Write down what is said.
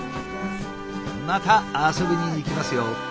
また遊びに行きますよ。